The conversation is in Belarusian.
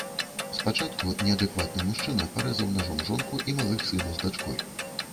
Спачатку неадэкватны мужчына парэзаў нажом жонку і малых сына з дачкой.